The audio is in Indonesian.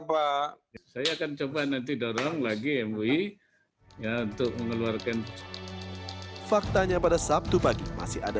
pak saya akan coba nanti dorong lagi mui untuk mengeluarkan faktanya pada sabtu pagi masih ada